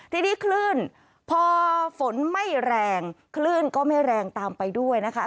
ทีนี้คลื่นพอฝนไม่แรงคลื่นก็ไม่แรงตามไปด้วยนะคะ